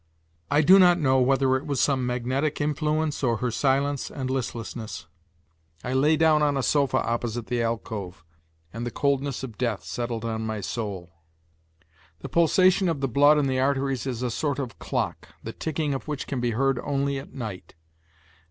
I do not know whether it was some magnetic influence or her silence and listlessness. I lay down on a sofa opposite the alcove and the coldness of death settled on my soul. The pulsation of the blood in the arteries is a sort of clock, the ticking of which can be heard only at night.